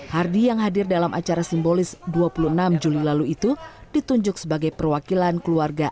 hardi yang hadir dalam acara simbolis dua puluh enam juli lalu itu ditunjuk sebagai perwakilan keluarga